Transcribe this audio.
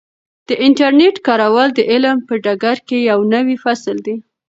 د انټرنیټ کارول د علم په ډګر کې یو نوی فصل دی.